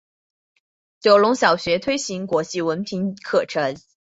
九龙小学推行国际文凭课程。